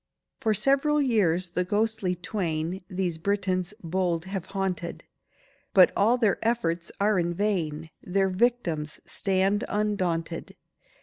For several years the ghostly twain These Britons bold have haunted, But all their efforts are in vain— Their victims stand undaunted.